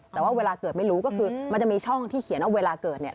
แต่ว่าเวลาเกิดไม่รู้ก็คือมันจะมีช่องที่เขียนว่าเวลาเกิดเนี่ย